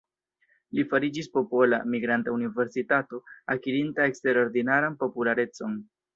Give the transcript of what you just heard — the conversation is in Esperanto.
Li fariĝis popola "migranta universitato", akirinta eksterordinaran popularecon.